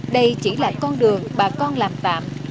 đây chỉ là con đường bà con làm tạm